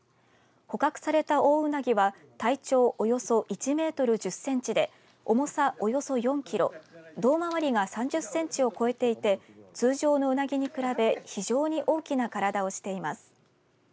捕獲されたオオウナギは体長およそ１メートル１０センチで重さ、およそ４キロ胴回りが３０センチを超えていて通常のウナギに比べ非常に大きな体をしています。